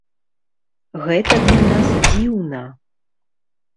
Гэта для нас дзіўна.